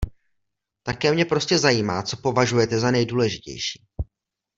Také mě prostě zajímá, co považujete za nejdůležitější.